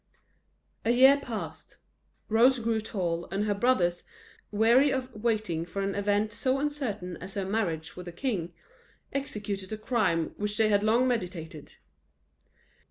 A year passed: Rose grew tall, and her brothers, weary of waiting for an event so uncertain as her marriage with a king, executed a crime which they had long meditated.